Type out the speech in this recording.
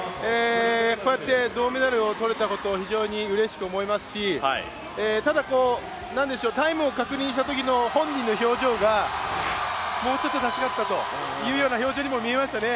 こうやって銅メダルを取れたこと非常にうれしく思いますしただ、タイムを確認したときの本人の表情がもうちょっと出したかったという表情にも見えましたね。